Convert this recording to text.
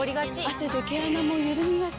汗で毛穴もゆるみがち。